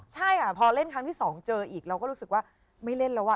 ใช่พอเล่นทางที่สองเจออีกเรารู้สึกว่าไม่เล่นแล้วอ่ะ